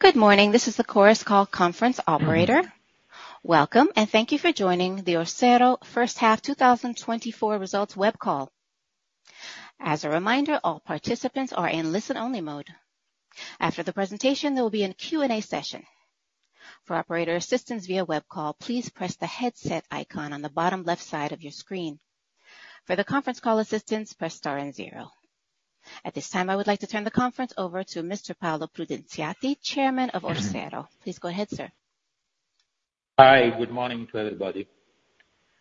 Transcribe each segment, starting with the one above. Good morning, this is the Chorus Call Conference Operator. Welcome, and thank you for joining the Orsero first half 2024 results web call. As a reminder, all participants are in listen-only mode. After the presentation, there will be a Q&A session. For operator assistance via web call, please press the headset icon on the bottom left side of your screen. For the conference call assistance, press star and zero. At this time, I would like to turn the conference over to Mr. Paolo Prudenziati, Chairman of Orsero. Please go ahead, sir. Hi, good morning to everybody.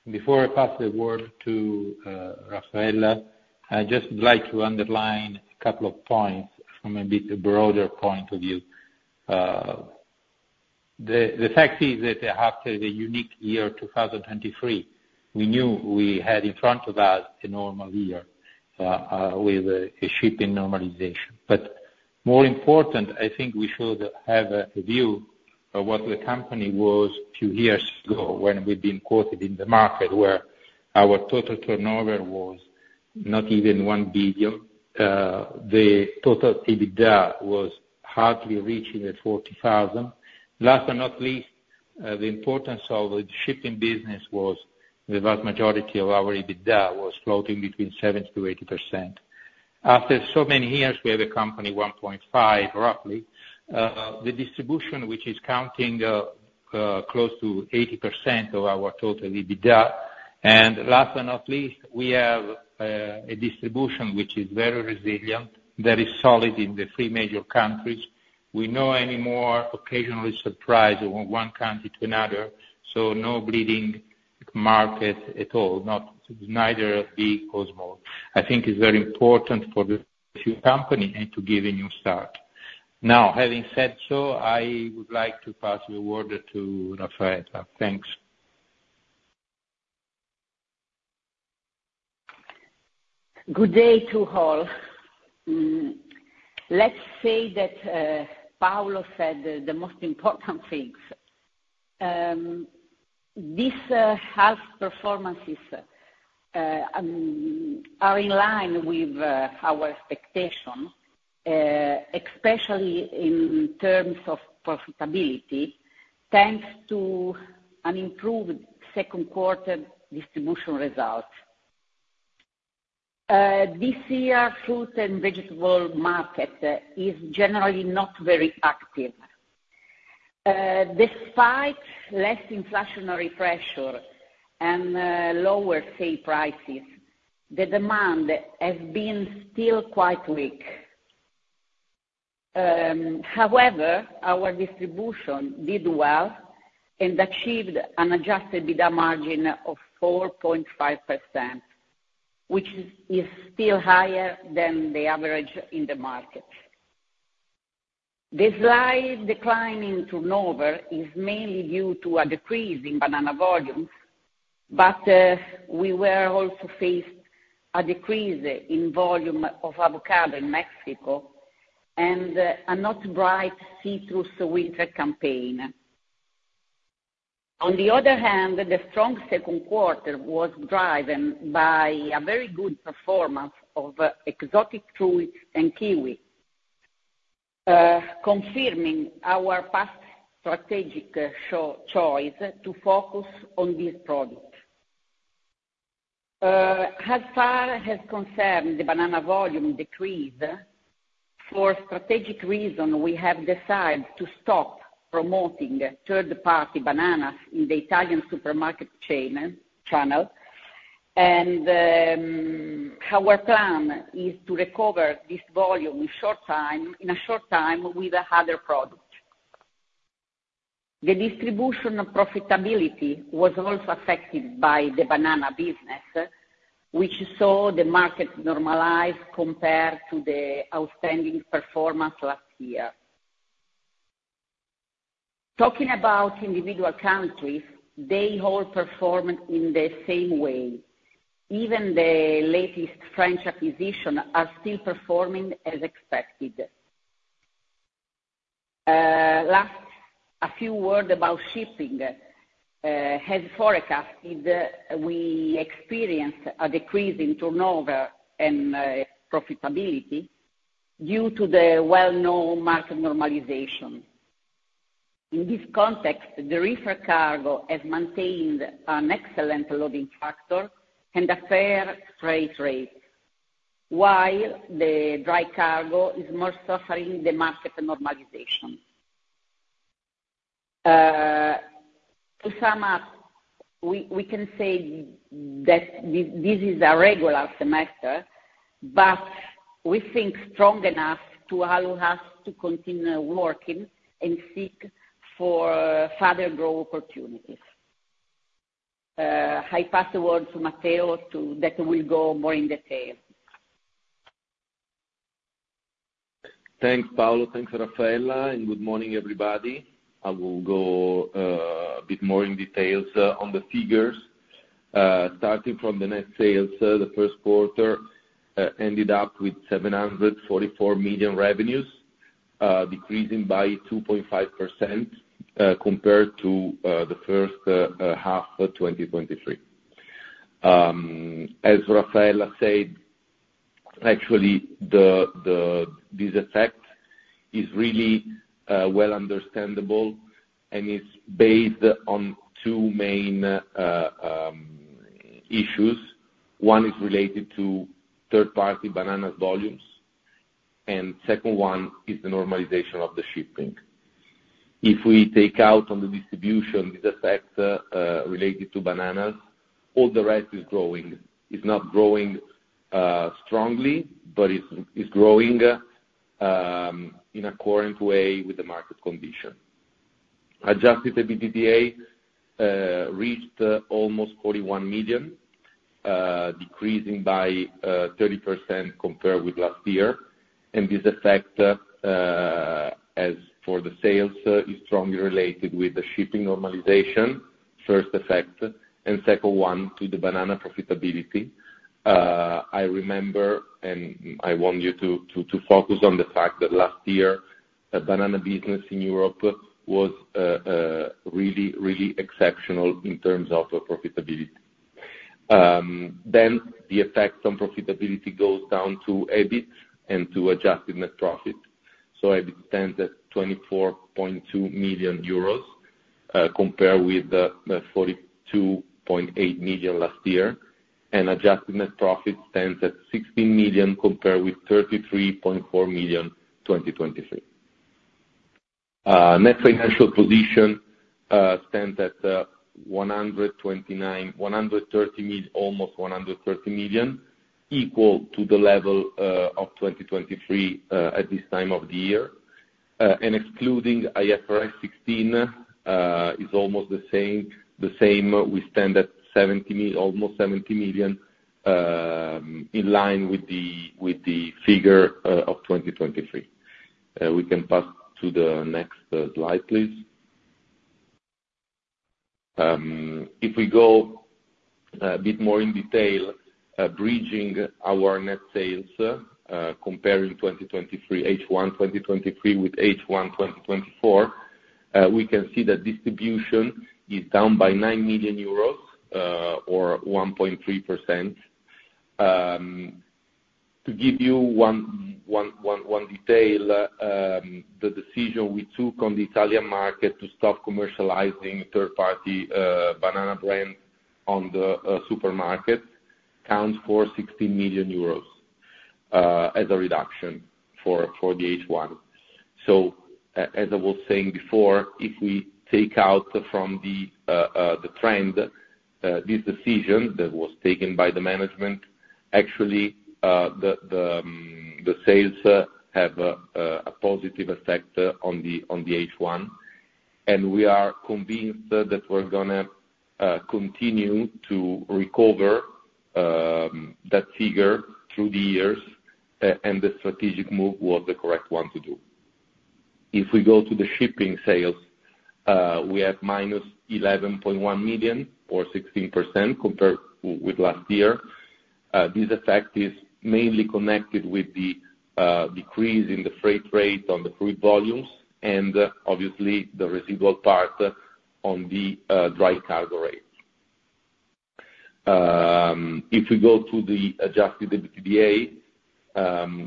Before I pass the word to Raffaella, I just would like to underline a couple of points from a bit broader point of view. The fact is that after the unique year, 2023, we knew we had in front of us a normal year with a shipping normalization. But more important, I think we should have a view of what the company was two years ago, when we've been quoted in the market, where our total turnover was not even 1 billion. The total EBITDA was hardly reaching 40,000. Last but not least, the importance of the shipping business was the vast majority of our EBITDA was floating between 70%-80%. After so many years, we have a company 1.5, roughly, the distribution which is counting close to 80% of our total EBITDA. And last but not least, we have a distribution which is very resilient, very solid in the three major countries. We no longer occasionally surprised from one country to another, so no bleeding market at all, not neither big or small. I think it's very important for the future company and to give a new start. Now, having said so, I would like to pass the word to Raffaella. Thanks. Good day to all. Let's say that Paolo said the most important things. This half performances are in line with our expectation, especially in terms of profitability, thanks to an improved second quarter distribution result. This year, fruit and vegetable market is generally not very active. Despite less inflationary pressure and lower sale prices, the demand has been still quite weak. However, our distribution did well and achieved an adjusted EBITDA margin of 4.5%, which is still higher than the average in the market. The slight decline in turnover is mainly due to a decrease in banana volumes, but we were also faced a decrease in volume of avocado in Mexico and a not bright citrus winter campaign. On the other hand, the strong second quarter was driven by a very good performance of exotic fruits and kiwi, confirming our past strategic choice to focus on this product. As far as concerned, the banana volume decrease, for strategic reason, we have decided to stop promoting third-party bananas in the Italian supermarket chain, channel. And our plan is to recover this volume in short time, in a short time with another product. The distribution profitability was also affected by the banana business, which saw the market normalize compared to the outstanding performance last year. Talking about individual countries, they all performed in the same way. Even the latest French acquisition are still performing as expected. Last, a few words about shipping. As forecasted, we experienced a decrease in turnover and profitability due to the well-known market normalization. In this context, the reefer cargo has maintained an excellent loading factor and a fair freight rate, while the dry cargo is more suffering the market normalization. To sum up, we can say that this is a regular semester, but we think strong enough to allow us to continue working and seek for further growth opportunities. I pass the word to Matteo that will go more in detail. Thanks, Paolo. Thanks, Raffaella, and good morning, everybody. I will go a bit more in details on the figures. Starting from the net sales, the first quarter ended up with 744 million revenues, decreasing by 2.5%, compared to the first half of 2023. As Raffaella said, actually this effect is really well understandable and it's based on two main issues. One is related to third party banana volumes, and second one is the normalization of the shipping. If we take out on the distribution, the effects related to bananas, all the rest is growing. It's not growing strongly, but it's growing in accordance way with the market condition. Adjusted EBITDA reached almost 41 million, decreasing by 30% compared with last year, and this effect, as for the sales, is strongly related with the shipping normalization, first effect, and second one, to the banana profitability. I remember, and I want you to focus on the fact that last year, the banana business in Europe was really, really exceptional in terms of profitability. Then the effect on profitability goes down to EBIT and to adjusted net profit, so EBIT stands at 24.2 million euros compared with the 42.8 million last year, and adjusted net profit stands at 16 million, compared with 33.4 million, 2023. Net financial position stands at almost 130 million, equal to the level of 2023 at this time of the year, and excluding IFRS 16 is almost the same. We stand at almost 70 million in line with the figure of 2023. We can pass to the next slide, please. If we go a bit more in detail, bridging our net sales comparing 2023, H1 2023 with H1 2024, we can see that distribution is down by 9 million euros or 1.3%. To give you one detail, the decision we took on the Italian market to stop commercializing third-party banana brand on the supermarket accounts for 16 million euros as a reduction for the H1. So as I was saying before, if we take out from the trend this decision that was taken by the management, actually the sales have a positive effect on the H1, and we are convinced that we're gonna continue to recover that figure through the years, and the strategic move was the correct one to do. If we go to the shipping sales, we have -11.1 million, or 16%, compared with last year. This effect is mainly connected with the decrease in the freight rate on the fruit volumes, and obviously the residual part on the dry cargo rate. If we go to the Adjusted EBITDA,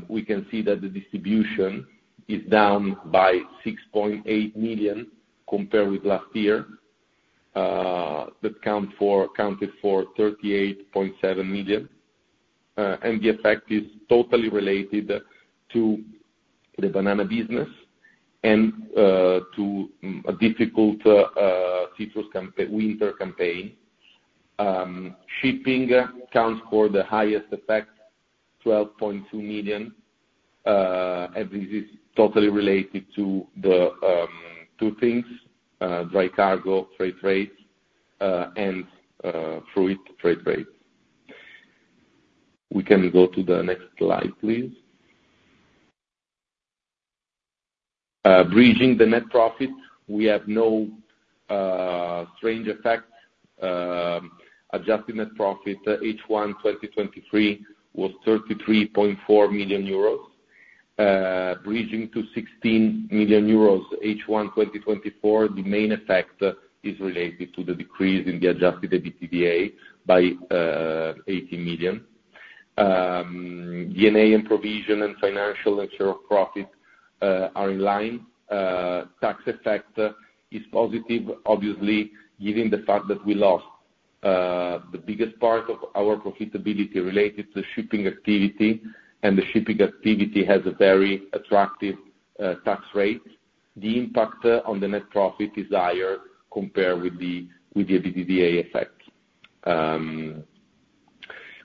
we can see that the distribution is down by 6.8 million compared with last year. That counted for 38.7 million, and the effect is totally related to the banana business and to a difficult citrus campaign, winter campaign. Shipping accounts for the highest effect, 12.2 million, and this is totally related to the two things: dry cargo freight rates and fruit freight rates. We can go to the next slide, please. Bridging the net profit, we have no strange effects. Adjusted Net Profit H1 2023 was 33.4 million euros, bridging to 16 million euros H1 2024. The main effect is related to the decrease in the Adjusted EBITDA by 80 million. D&A and provision and financial and share of profit are in line. Tax effect is positive, obviously, given the fact that we lost the biggest part of our profitability related to shipping activity, and the shipping activity has a very attractive tax rate. The impact on the net profit is higher compared with the EBITDA effect.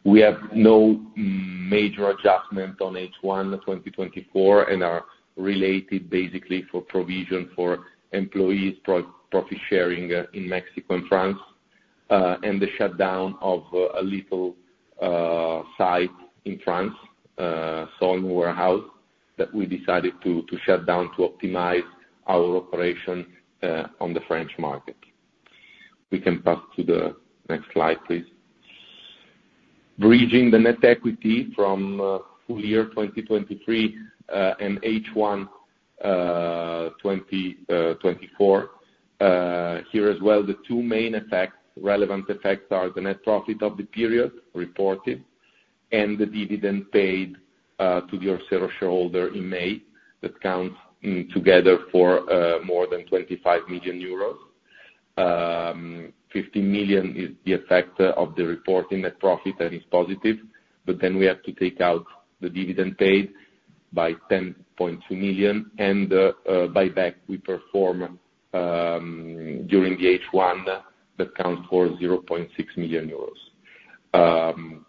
We have no major adjustment on H1 2024, and are related basically for provision for employees profit sharing in Mexico and France, and the shutdown of a little site in France, Sol'or warehouse, that we decided to shut down to optimize our operation on the French market. We can pass to the next slide, please. Bridging the net equity from full year 2023 and H1 2024. Here as well, the two main effects, relevant effects are the net profit of the period reported and the dividend paid to the Orsero shareholder in May. That counts together for more than 25 million euros. 15 million is the effect of the reported net profit, that is positive, but then we have to take out the dividend paid by 10.2 million, and the buyback we perform during the H1 that counts for 0.6 million euros.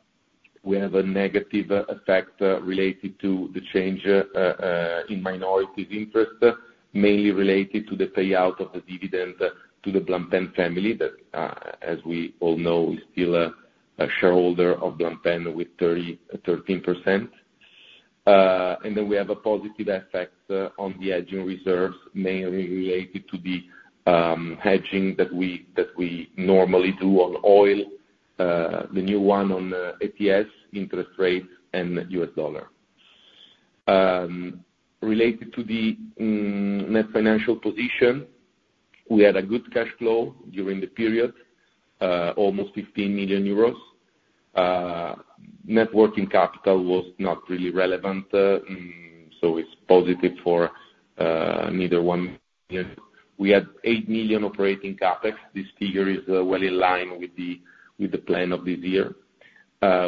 We have a negative effect related to the change in minority's interest, mainly related to the payout of the dividend to the Blampin family, that as we all know, is still a shareholder of Blampin with 33%. And then we have a positive effect on the hedging reserves, mainly related to the hedging that we normally do on oil, the new one on ETS, interest rates, and US dollar. Related to the net financial position, we had a good cash flow during the period, almost 15 million euros. Net working capital was not really relevant, so it's positive for neither one. We had 8 million operating CapEx. This figure is well in line with the plan of this year.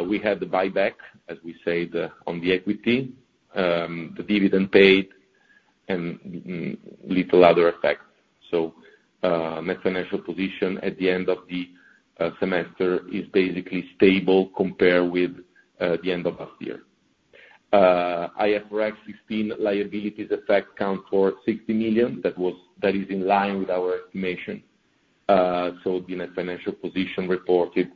We had the buyback, as we said, on the equity, the dividend paid, and little other effects. So, net financial position at the end of the semester is basically stable compared with the end of last year. IFRS 16 liabilities effects account for 60 million. That is in line with our estimation. So the net financial position reported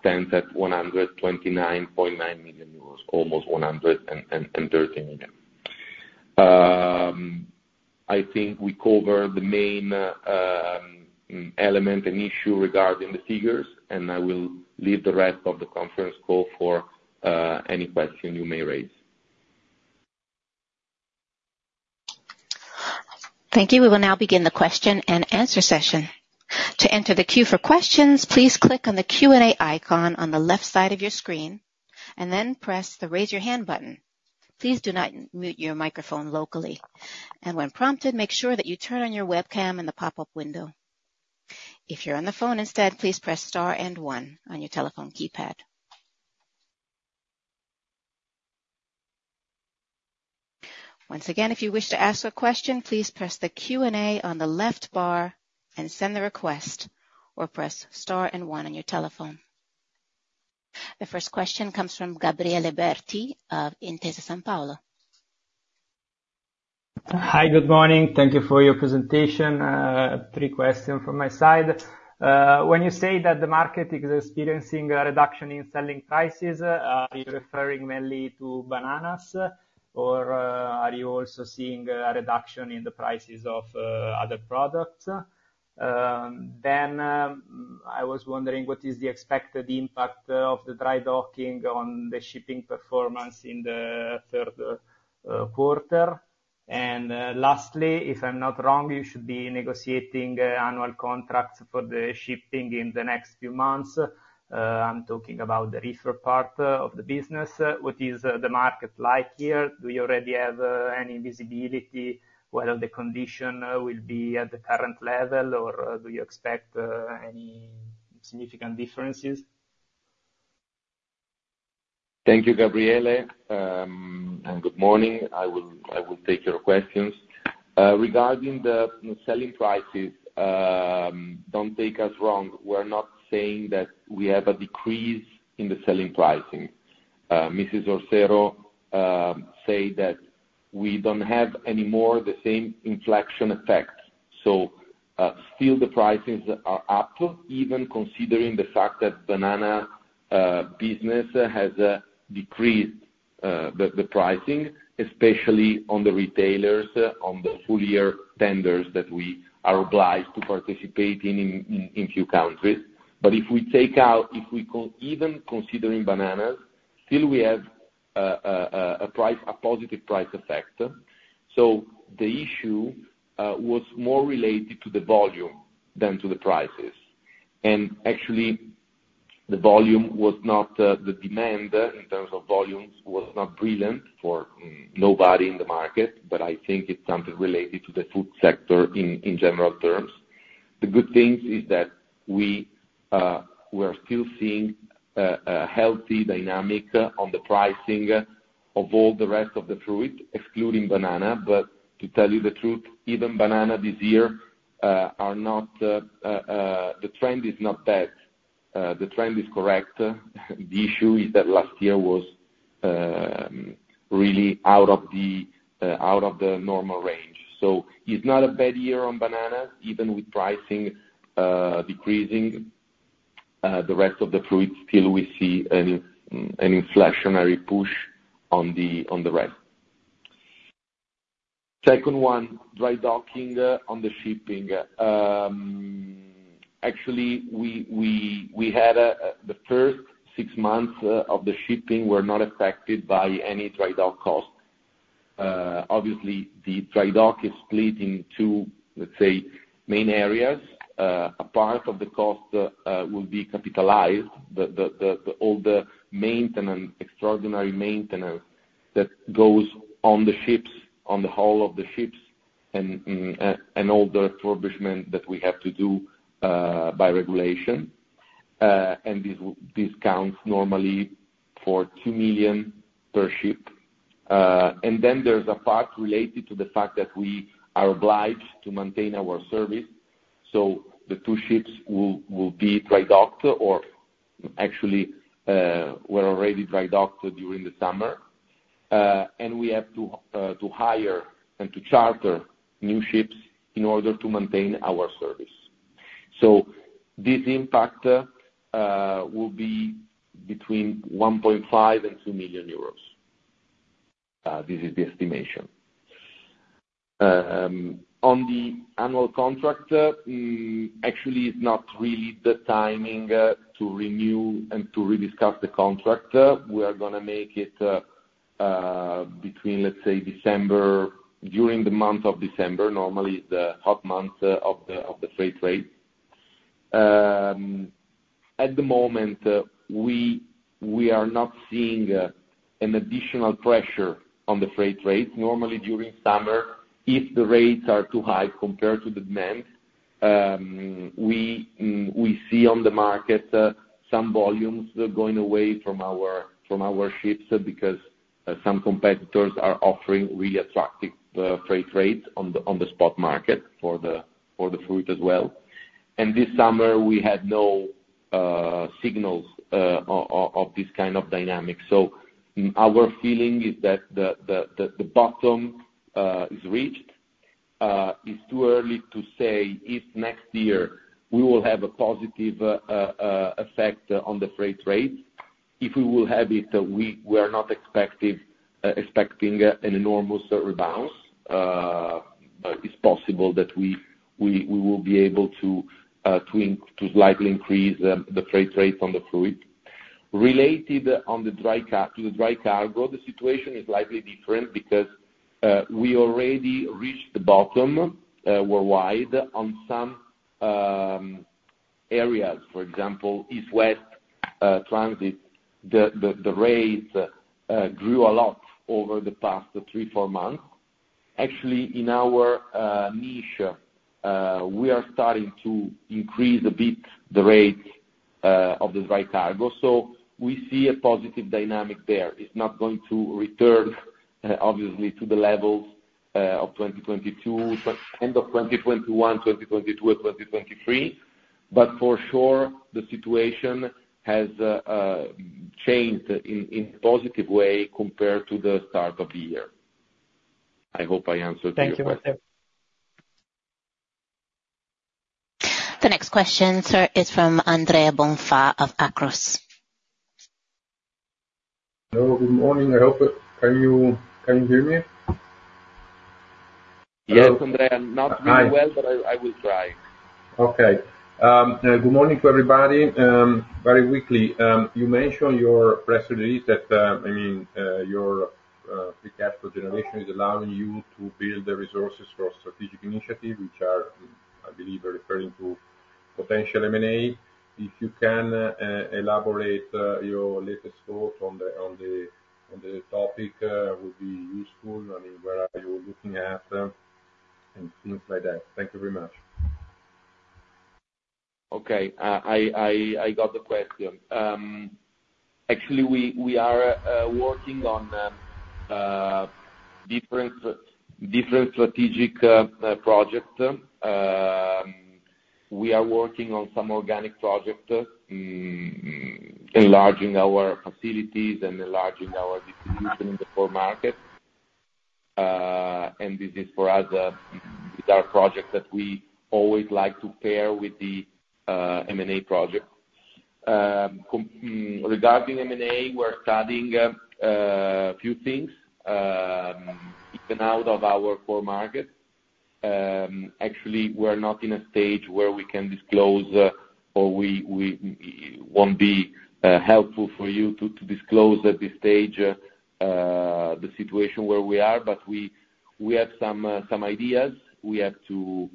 stands at 129.9 million euros, almost 113 million. I think we covered the main element and issue regarding the figures, and I will leave the rest of the conference call for any question you may raise. Thank you. We will now begin the question and answer session. To enter the queue for questions, please click on the Q&A icon on the left side of your screen, and then press the Raise Your Hand button. Please do not mute your microphone locally, and when prompted, make sure that you turn on your webcam in the pop-up window. If you're on the phone instead, please press star and one on your telephone keypad. Once again, if you wish to ask a question, please press the Q&A on the left bar and send the request, or press star and one on your telephone. The first question comes from Gabriele Berti of Intesa Sanpaolo. Hi, good morning. Thank you for your presentation. Three questions from my side. When you say that the market is experiencing a reduction in selling prices, are you referring mainly to bananas, or are you also seeing a reduction in the prices of other products? Then, I was wondering, what is the expected impact of the dry docking on the shipping performance in the third quarter? And lastly, if I'm not wrong, you should be negotiating annual contracts for the shipping in the next few months. I'm talking about the reefer part of the business. What is the market like here? Do you already have any visibility whether the condition will be at the current level, or do you expect any significant differences? Thank you, Gabriele, and good morning. I will take your questions. Regarding the selling prices, don't take us wrong, we're not saying that we have a decrease in the selling pricing. Mrs. Orsero say that we don't have any more the same inflection effect, so still the prices are up, even considering the fact that banana business has decreased the pricing, especially on the retailers, on the full year tenders that we are obliged to participate in few countries. But even considering bananas, still we have a price, a positive price effect. So the issue was more related to the volume than to the prices, and actually, the demand in terms of volumes was not brilliant for nobody in the market, but I think it's something related to the food sector in general terms. The good things is that we're still seeing a healthy dynamic on the pricing of all the rest of the fruit, excluding banana. But to tell you the truth, even banana this year, the trend is not bad. The trend is correct. The issue is that last year was really out of the normal range. So it's not a bad year on bananas, even with pricing decreasing, the rest of the fruit, still we see an inflationary push on the rest. Second one, dry docking on the shipping. Actually, we had the first six months of the shipping were not affected by any dry dock cost. Obviously, the dry dock is split in two, let's say, main areas. A part of the cost will be capitalized, all the maintenance, extraordinary maintenance that goes on the ships, on the hull of the ships, and all the establishment that we have to do by regulation, and this counts normally for two million per ship, and then there's a part related to the fact that we are obliged to maintain our service, so the two ships will be dry docked, or actually, were already dry docked during the summer. And we have to hire and to charter new ships in order to maintain our service. So this impact will be between 1.5 and 2 million euros. This is the estimation. On the annual contract, actually, it's not really the timing to renew and to rediscuss the contract. We are gonna make it between, let's say, December, during the month of December, normally, the hot month of the freight rate. At the moment, we are not seeing an additional pressure on the freight rate. Normally, during summer, if the rates are too high compared to the demand, we see on the market some volumes going away from our ships, because some competitors are offering really attractive freight rates on the spot market for the fruit as well. This summer we had no signals of this kind of dynamic. Our feeling is that the bottom is reached. It's too early to say if next year we will have a positive effect on the freight rate. If we will have it, we are not expecting an enormous bounce, but it's possible that we will be able to slightly increase the freight rate on the fruit. Related on the Dry Cargo, the situation is slightly different because we already reached the bottom worldwide on some areas. For example, east-west transit, the rates grew a lot over the past three, four months. Actually, in our niche, we are starting to increase a bit the rate of the Dry Cargo, so we see a positive dynamic there. It's not going to return, obviously, to the levels of 2022, but end of 2021, 2022, 2023, but for sure, the situation has changed in positive way compared to the start of the year. I hope I answered your question. Thank you, Matteo. The next question, sir, is from Andrea Bonfa of Akros. Hello, good morning, I hope you hear me? Yes, Andrea, not very well but I will try. Okay. Good morning to everybody. Very quickly, you mentioned your press release that, I mean, your free cash flow generation is allowing you to build the resources for strategic initiative, which are, I believe you're referring to potential M&A. If you can elaborate, your latest thought on the topic would be useful, I mean, where are you looking at, and things like that? Thank you very much. Okay. I got the question. Actually, we are working on different strategic project. We are working on some organic project, enlarging our facilities and enlarging our distribution in the core market. And this is for us, it's our project that we always like to pair with the M&A project. Regarding M&A, we're studying a few things, even out of our core market. Actually, we're not in a stage where we can disclose, or it won't be helpful for you to disclose at this stage the situation where we are, but we have some ideas. We have to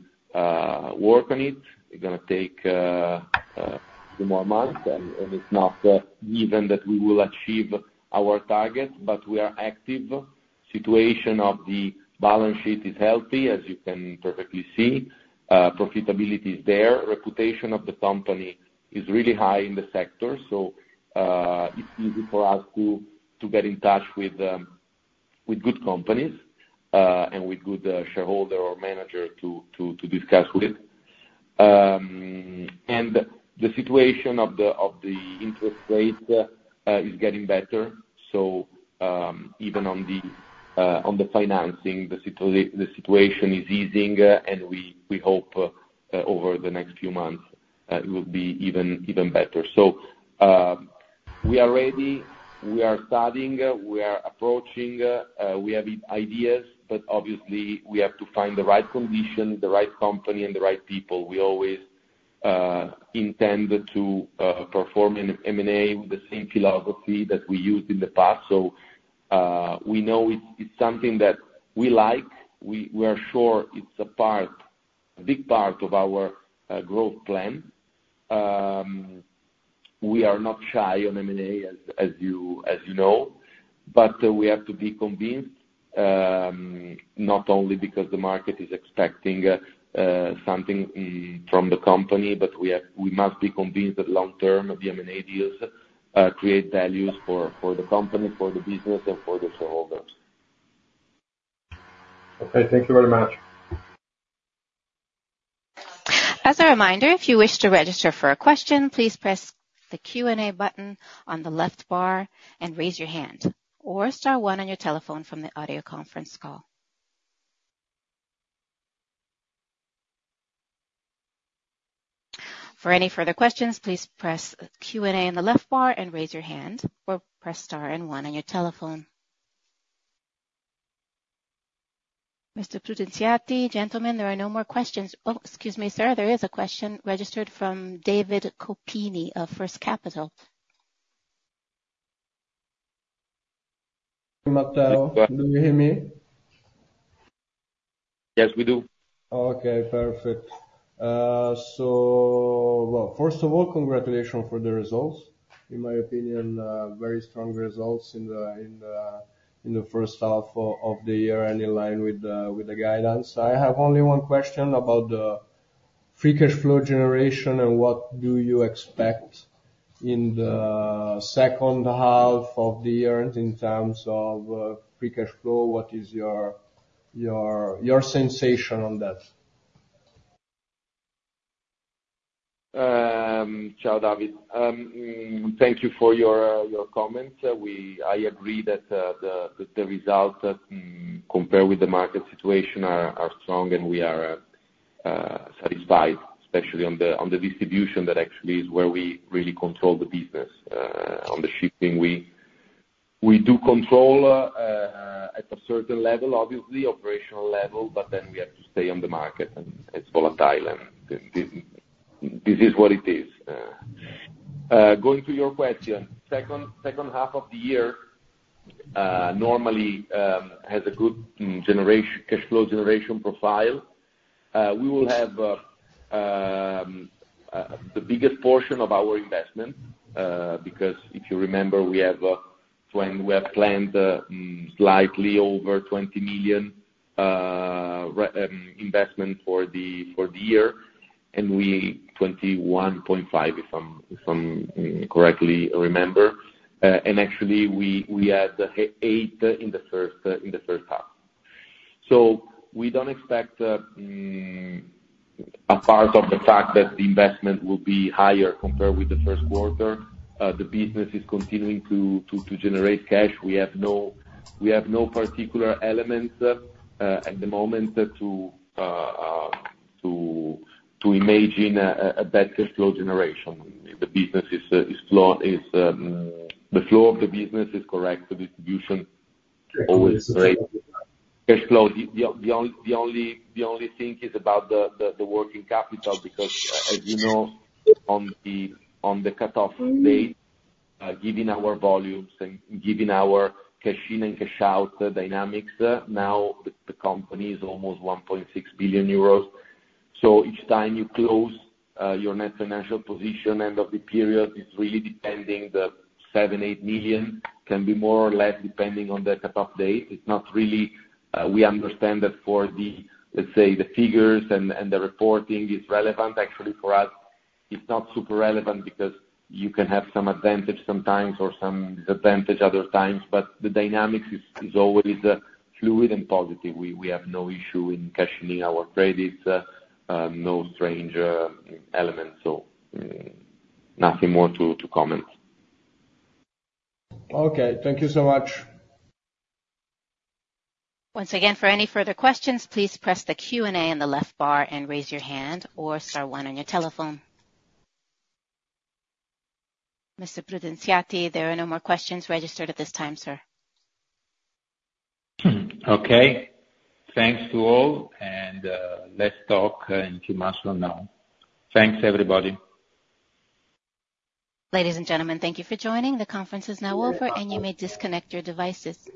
work on it. It's gonna take two more months, and it's not given that we will achieve our target, but we are active. Situation of the balance sheet is healthy, as you can perfectly see. Profitability is there. Reputation of the company is really high in the sector, so it's easy for us to get in touch with good companies and with good shareholder or manager to discuss with, and the situation of the interest rate is getting better, so even on the financing, the situation is easing, and we hope over the next few months it will be even better. So we are ready, we are studying, we are approaching, we have ideas, but obviously, we have to find the right condition, the right company, and the right people. We always intend to perform an M&A with the same philosophy that we used in the past. So, we know it's something that we like. We are sure it's a part, a big part of our growth plan. We are not shy on M&A, as you know, but we have to be convinced, not only because the market is expecting something from the company, but we must be convinced that long term the M&A deals create values for the company, for the business, and for the shareholders. Okay, thank you very much. As a reminder, if you wish to register for a question, please press the Q&A button on the left bar and raise your hand, or star one on your telephone from the audio conference call. For any further questions, please press Q&A on the left bar and raise your hand, or press star and one on your telephone. Mr. Prudenziati, gentlemen, there are no more questions. Oh, excuse me, sir, there is a question registered from Davide Coppini of First Capital. Matteo, can you hear me? Yes, we do. Okay, perfect. So, well, first of all, congratulations for the results. In my opinion, very strong results in the first half of the year and in line with the guidance. I have only one question about the free cash flow generation, and what do you expect in the second half of the year in terms of free cash flow? What is your sensation on that? Ciao, David. Thank you for your comment. I agree that the results compared with the market situation are strong, and we are satisfied, especially on the distribution. That actually is where we really control the business. On the shipping, we do control at a certain level, obviously, operational level, but then we have to stay on the market, and it's volatile, and this is what it is. Going to your question, second half of the year normally has a good cash flow generation profile. We will have the biggest portion of our investment, because if you remember, we have, when we have planned, slightly over 20 million investment for the, for the year, and we 21.5 million, if I'm correctly remember, and actually we had 8 million in the first half. So we don't expect, apart of the fact that the investment will be higher compared with the first quarter, the business is continuing to generate cash. We have no particular elements at the moment to imagine a better flow generation. The business is flow is. The flow of the business is correct. The distribution always right. Cashflow. The only thing is about the working capital, because, as you know, on the cutoff date, given our volumes and given our cash in and cash out dynamics, now the company is almost 1.6 billion euros. So each time you close your net financial position end of the period is really depending; the 7 million-8 million can be more or less, depending on the cutoff date. It's not really... We understand that for the, let's say, the figures and the reporting, it's relevant. Actually, for us, it's not super relevant because you can have some advantage sometimes or some disadvantage other times, but the dynamics is always fluid and positive. We have no issue in cashing in our credits, no strange elements, so nothing more to comment. Okay, thank you so much. Once again, for any further questions, please press the Q&A on the left bar and raise your hand or star one on your telephone. Mr. Prudenziati, there are no more questions registered at this time, sir. Okay. Thanks to all, and, let's talk in two months from now. Thanks, everybody. Ladies and gentlemen, thank you for joining. The conference is now over, and you may disconnect your devices.